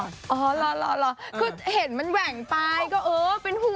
อ๋อรอคือเห็นมันแหว่งไปก็เออเป็นห่วง